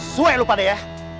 sue lu pada ya